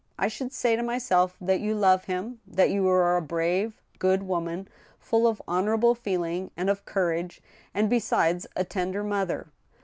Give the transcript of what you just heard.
I should say to myself that you love him, that you are a brave, good woman, full of honorable feeling, and of courage, and, besides, a tender mother.